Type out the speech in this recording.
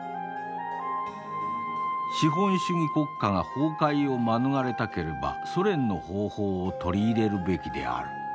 「資本主義国家が崩壊を免れたければソ連の方法を取り入れるべきである。